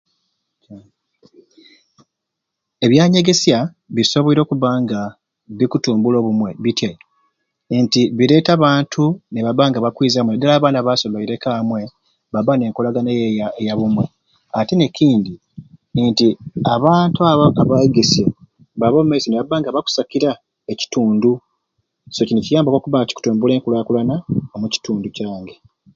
Ebyanyegesya bisobwere okuba nga bikutumbula Obumwei bityai nti bireeta abantu niba nga bakwiza nadala abaana abasomeireku amwei baba nenkolagana eyo eya eyabumwei ate nekindi nti abantu abo nibaba abegesye baaba omumeisyo nibaba nga bakusakira ekitundu so kini kyiyambaku okuba nga kitumbula enkulakulana omu kitundu kyange